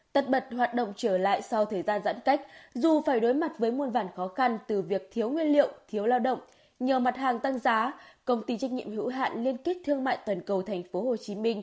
tất bật hoạt động trở lại sau thời gian giãn cách dù phải đối mặt với muôn vản khó khăn từ việc thiếu nguyên liệu thiếu lao động nhờ mặt hàng tăng giá công ty trách nhiệm hữu hạn liên kết thương mại toàn cầu tp hcm